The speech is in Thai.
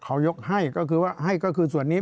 เขายกให้ก็คือว่าให้ก็คือส่วนนี้